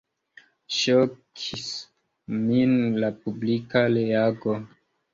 Ŝokis min la publika reago.